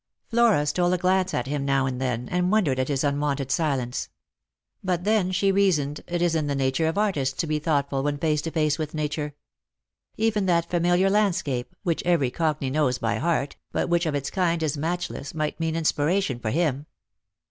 Flora stole a glance at him now and then, and wondered at his Lost for Love. 89 unwonted silence. But then, she reasoned, it is in the nature of artists to be thoughtful when face to face with nature. Even that familiar landscape, which every cockney knows by heart, but which of its kind is matchless, might mean inspiration for him.